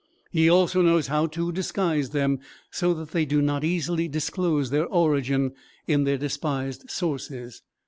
He also knows how to disguise them so that they do not easily disclose their origin in their despised sources.